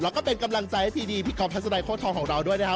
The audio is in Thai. แล้วก็เป็นกำลังใจให้ทีดีพี่ก๊อฟทัศนัยโค้ทองของเราด้วยนะครับ